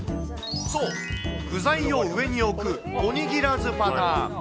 そう、具材を上に置く、おにぎらずパターン。